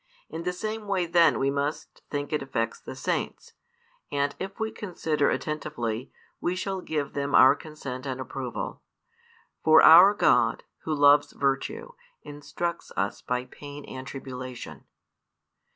In the same way then we must think it affects the Saints: and, if we consider attentively, we shall give them our consent and approval. For our God, Who loves virtue, instructs us by pain and tribulation.